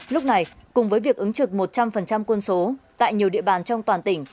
lúc này cùng với việc ứng trực một trăm linh quân số tại nhiều địa bàn trong toàn tỉnh